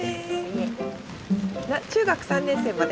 中学３年生まで？